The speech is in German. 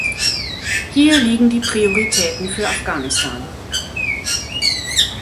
Hier liegen die Prioritäten für Afghanistan.